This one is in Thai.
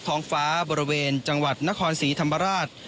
ท้องฟ้าบริเวณจังหวัดนครศรีธรรมราช